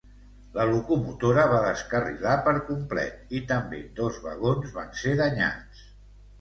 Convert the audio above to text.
La locomotora va descarrilar per complet, i també dos vagons van ser danyats.